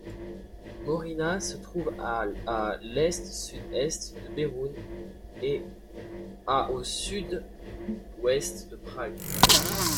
Mořina se trouve à à l'est-sud-est de Beroun et à au sud-ouest de Prague.